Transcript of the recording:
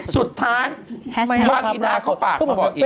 สุดท้ายมักอินาเข้าปากมาพออีก